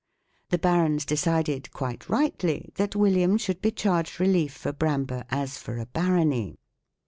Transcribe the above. The barons decided, quite rightly, that William should be charged relief for Bramber as for a barony.